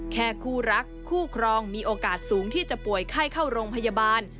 คู่รักคู่ครองมีโอกาสสูงที่จะป่วยไข้เข้าโรงพยาบาล